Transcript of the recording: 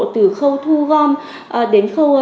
từ khâu thu gom đến khâu